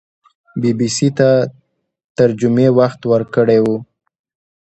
بي بي سي ته تر جمعې وخت ورکړی وو